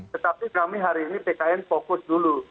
tetapi kami hari ini pkn fokus dulu